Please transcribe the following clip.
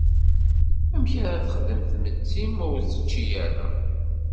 Amek ara texdem tmetti ma ur tečči ara?